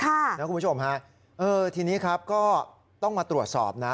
คุณผู้ชมฮะเออทีนี้ครับก็ต้องมาตรวจสอบนะ